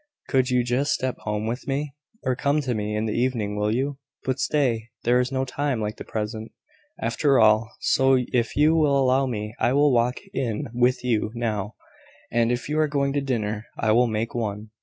Could you just step home with me? Or come to me in the evening, will you? But stay! There is no time like the present, after all; so, if you will allow me, I will walk in with you now; and, if you are going to dinner, I will make one.